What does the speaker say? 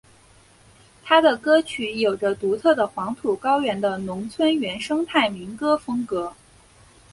他的歌曲有着独特的黄土高原的农村原生态民歌风格。